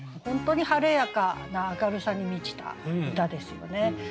本当に晴れやかな明るさに満ちた歌ですよね。